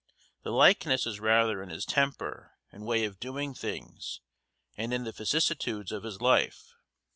The likeness is rather in his temper and way of doing things and in the vicissitudes of his life.